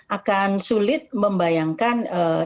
akan sulit membayangkan